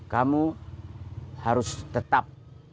kamu harus tetap